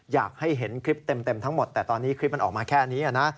อยากให้เห็นคลิปเต็มทั้งหมดแต่ตอนนี้คลิปมันออกมาแค่นี้นะ